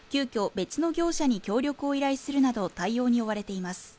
別の業者に協力を依頼するなど対応に追われています